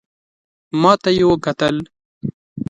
ماته یې وکتل .